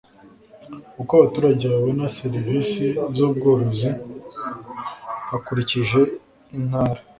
uko abaturage babona ser isi z ubworozi hakurikijwe intara